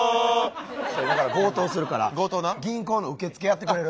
今から強盗するから銀行の受付やってくれる？